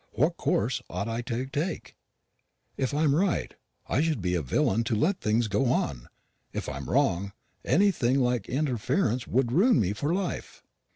"What course ought I to take? If I am right, I should be a villain to let things go on. If I am wrong, anything like interference would ruin me for life."